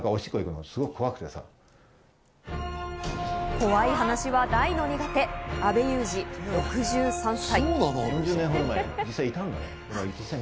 怖い話は大の苦手、阿部祐二、６３歳。